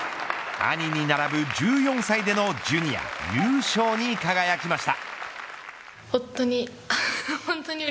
兄に並ぶ１４歳でのジュニア優勝に輝きました。